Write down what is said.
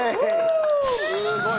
すごい！